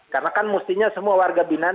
karena kan mestinya semua warga binan